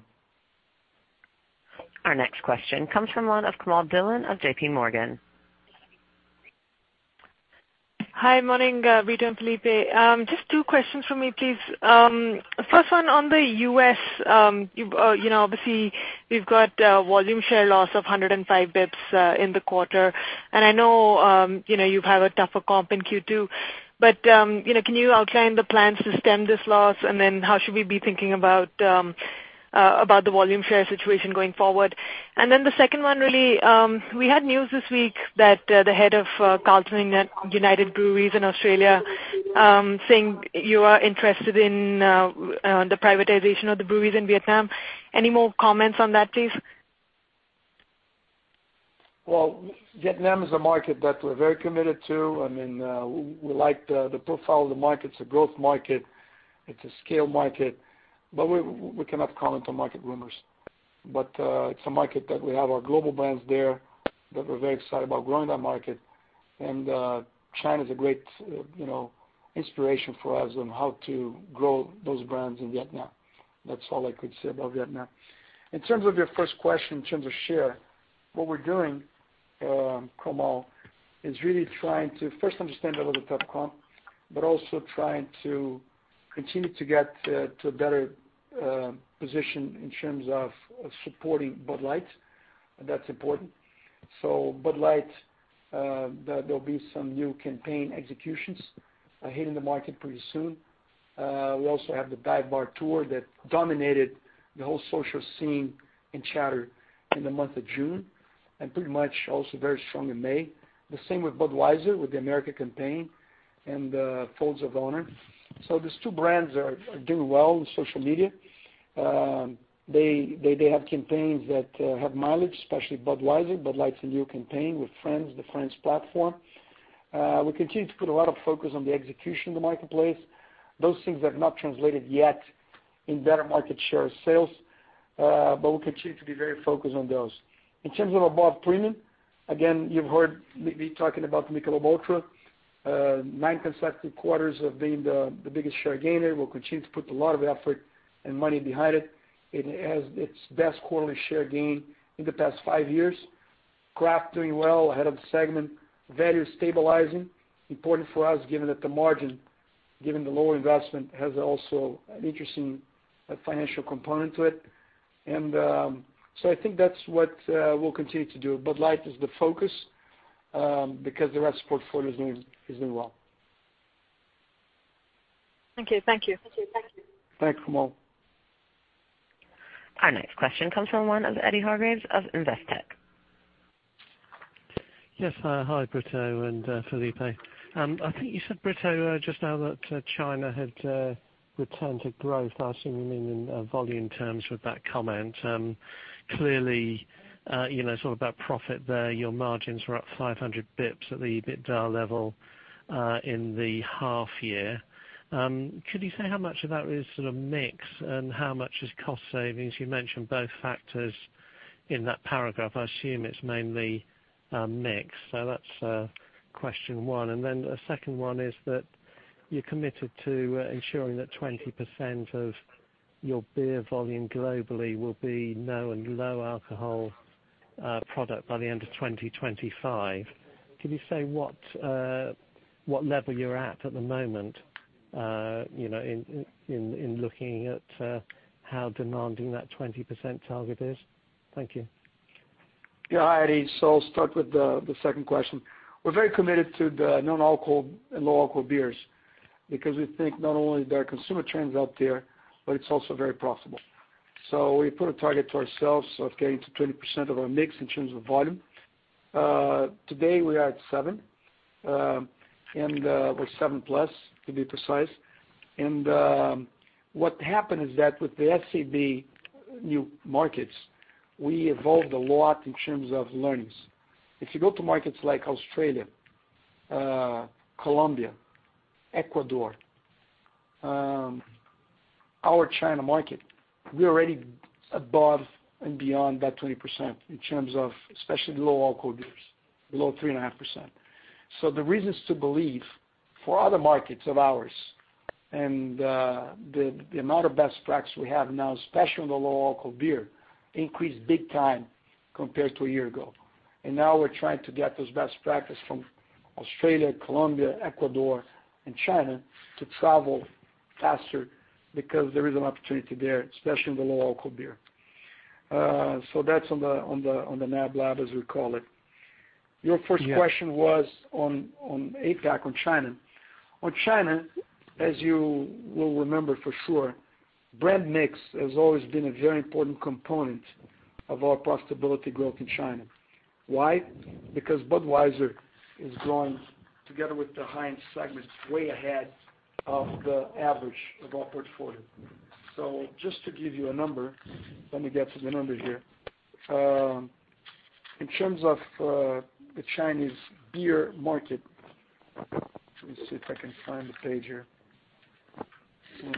Our next question comes from the line of Komal Dhillon of JP Morgan. Hi. Morning, Brito and Felipe. Just two questions from me, please. First one on the U.S. We've got volume share loss of 105 bps in the quarter, I know you've had a tougher comp in Q2, can you outline the plans to stem this loss, how should we be thinking about the volume share situation going forward? The second one, really, we had news this week that the head of Carlton & United Breweries in Australia saying you are interested in the privatization of the breweries in Vietnam. Any more comments on that, please? Well, Vietnam is a market that we're very committed to. We like the profile of the market. It's a growth market. It's a scale market, we cannot comment on market rumors. It's a market that we have our global brands there, that we're very excited about growing that market. China is a great inspiration for us on how to grow those brands in Vietnam. That's all I could say about Vietnam. In terms of your first question, in terms of share, what we're doing, Komal, is really trying to first understand a little bit of comp, also trying to continue to get to a better position in terms of supporting Bud Light. That's important. Bud Light, there'll be some new campaign executions hitting the market pretty soon. We also have the Dive Bar Tour that dominated the whole social scene and chatter in the month of June, pretty much also very strong in May. The same with Budweiser, with the America campaign. Folds of Honor. These two brands are doing well in social media. They have campaigns that have mileage, especially Budweiser. Bud Light's a new campaign with friends, the friends platform. We continue to put a lot of focus on the execution in the marketplace. Those things have not translated yet in better market share sales, we'll continue to be very focused on those. In terms of above premium, again, you've heard me talking about Michelob ULTRA. Nine consecutive quarters of being the biggest share gainer. We'll continue to put a lot of effort and money behind it. It has its best quarterly share gain in the past five years. Craft doing well, ahead of the segment. Value stabilizing, important for us, given that the margin, given the lower investment, has also an interesting financial component to it. I think that's what we'll continue to do. Bud Light is the focus because the rest of the portfolio is doing well. Okay, thank you. Thanks, Komal. Our next question comes from one of Eddy Hargreaves of Investec. Yes. Hi, Brito and Felipe. I think you said, Brito, just now that China had returned to growth. I assume you mean in volume terms with that comment. Clearly, it's all about profit there. Your margins were up 500 bps at the EBITDA level in the half year. Could you say how much of that is mix and how much is cost savings? You mentioned both factors in that paragraph. I assume it's mainly mix. That's question one. A second one is that you're committed to ensuring that 20% of your beer volume globally will be no and low alcohol product by the end of 2025. Could you say what level you're at at the moment, in looking at how demanding that 20% target is? Thank you. Yeah. Hi, Eddy. I'll start with the second question. We're very committed to the non-alcohol and low-alcohol beers because we think not only are there consumer trends out there, but it's also very profitable. We put a target to ourselves of getting to 20% of our mix in terms of volume. Today we are at seven, or seven-plus to be precise. What happened is that with the SABMiller new markets, we evolved a lot in terms of learnings. If you go to markets like Australia, Colombia, Ecuador, our China market, we're already above and beyond that 20% in terms of especially the low-alcohol beers. Below 3.5%. The reason is to believe for other markets of ours and the amount of best practice we have now, especially in the low-alcohol beer, increased big time compared to a year ago. Now we're trying to get those best practice from Australia, Colombia, Ecuador, and China to travel faster because there is an opportunity there, especially in the low-alcohol beer. That's on the NAB lab, as we call it. Your first question- Yeah was on APAC, on China. On China, as you will remember for sure, brand mix has always been a very important component of our profitability growth in China. Why? Because Budweiser is growing together with the high-end segments way ahead of the average of our portfolio. Just to give you a number, let me get to the numbers here. In terms of the Chinese beer market, let me see if I can find the page here. I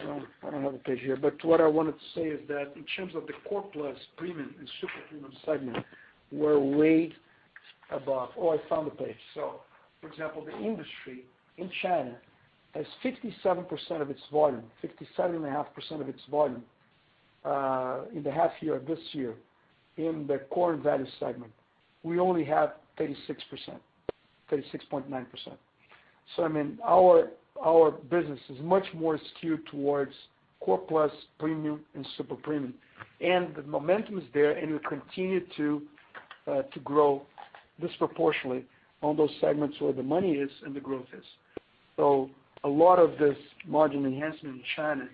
don't have the page here, but what I wanted to say is that in terms of the core plus premium and super premium segment, we're way above. I found the page. For example, the industry in China has 57% of its volume, 57.5% of its volume in the half year this year in the core and value segment. We only have 36%. 36.9%. I mean, our business is much more skewed towards core plus premium and super premium. The momentum is there, and we continue to grow disproportionately on those segments where the money is and the growth is. A lot of this margin enhancement in China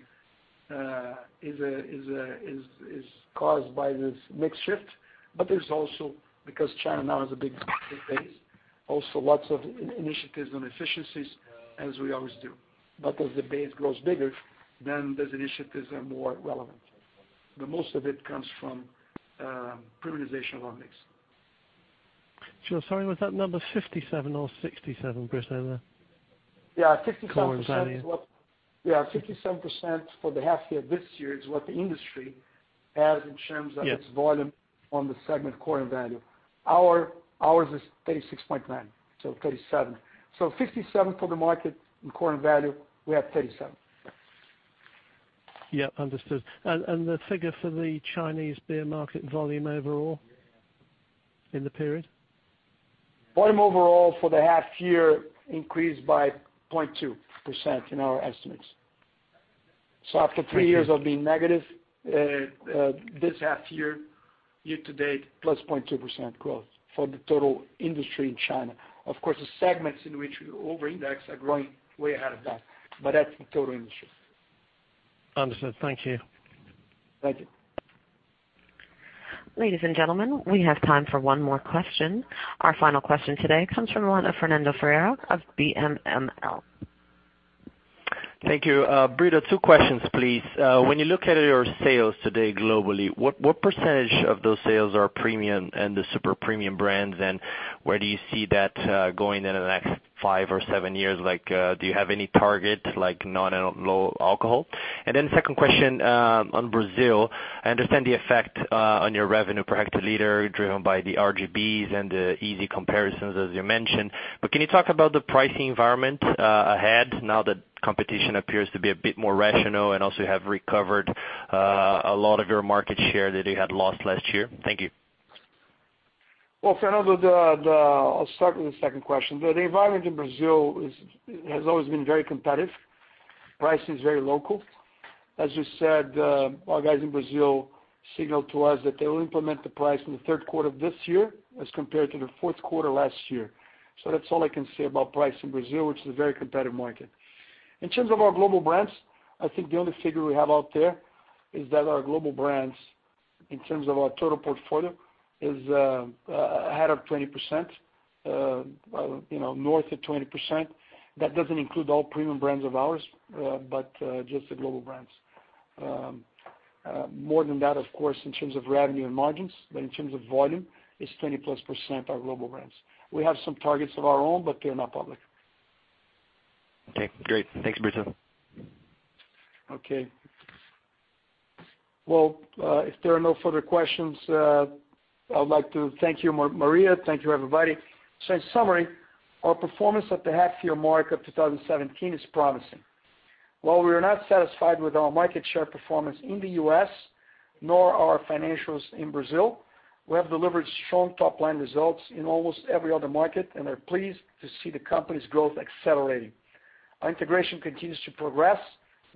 is caused by this mix shift, there's also because China now has a big base. Lots of initiatives on efficiencies as we always do. As the base grows bigger, those initiatives are more relevant. Most of it comes from premiumization of our mix. Sure. Sorry, was that number 57% or 67% there? Yeah, 57%. Core and value Yeah, 57% for the half year this year is what the industry has in terms of- Yes Its volume on the segment core and value. Ours is 36.9, so 37. 57 for the market in core and value, we have 37. Yeah. Understood. The figure for the Chinese beer market volume overall in the period? Volume overall for the half year increased by 0.2% in our estimates. After three years- Thank you of being negative this half year-to-date, plus 0.2% growth for the total industry in China. Of course, the segments in which we over-index are growing way ahead of that, but that's the total industry. Understood. Thank you. Thank you. Ladies and gentlemen, we have time for one more question. Our final question today comes from the line of Fernando Ferreira of BAML. Thank you. Brito, two questions, please. When you look at your sales today globally, what percentage of those sales are premium and the super premium brands, and where do you see that going in the next five or seven years? Do you have any target, like non and low alcohol? Second question on Brazil, I understand the effect on your revenue per hectoliter driven by the RGBs and the easy comparisons as you mentioned, but can you talk about the pricing environment ahead now that competition appears to be a bit more rational and also you have recovered a lot of your market share that you had lost last year? Thank you. Well, Fernando, I'll start with the second question. The environment in Brazil has always been very competitive. Pricing is very local. As you said, our guys in Brazil signaled to us that they will implement the price in the third quarter of this year as compared to the fourth quarter last year. That's all I can say about price in Brazil, which is a very competitive market. In terms of our global brands, I think the only figure we have out there is that our global brands, in terms of our total portfolio, is ahead of 20%, north of 20%. That doesn't include all premium brands of ours, but just the global brands. More than that, of course, in terms of revenue and margins, but in terms of volume, it's 20-plus % our global brands. We have some targets of our own, but they're not public. Okay, great. Thanks, Brito. Okay. Well, if there are no further questions, I would like to thank you, Maria. Thank you, everybody. In summary, our performance at the half year mark of 2017 is promising. While we are not satisfied with our market share performance in the U.S., nor our financials in Brazil, we have delivered strong top-line results in almost every other market and are pleased to see the company's growth accelerating. Our integration continues to progress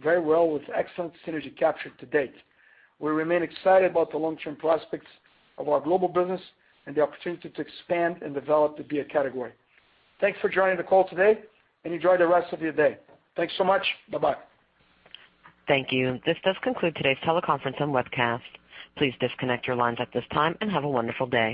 very well with excellent synergy captured to date. We remain excited about the long-term prospects of our global business and the opportunity to expand and develop the beer category. Thanks for joining the call today, and enjoy the rest of your day. Thanks so much. Bye-bye. Thank you. This does conclude today's teleconference and webcast. Please disconnect your lines at this time and have a wonderful day.